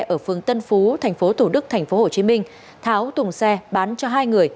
ở phương tân phú tp thủ đức tp hồ chí minh tháo tùng xe bán cho hai người